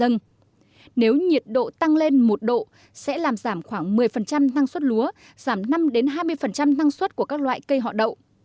nếu nhiệt độ tăng lên một độ sẽ làm giảm khoảng một mươi năng suất lúa giảm năm hai mươi năng suất của các loại cây họ đậu